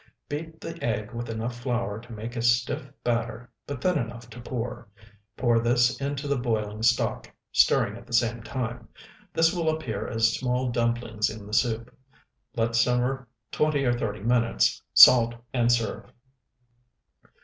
Beat the egg with enough flour to make a stiff batter, but thin enough to pour; pour this into the boiling stock, stirring at the same time. This will appear as small dumplings in the soup. Let simmer twenty or thirty minutes; salt, and serve.